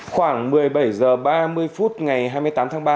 khoảng một mươi bảy h ba mươi phút ngày hai mươi tám tháng ba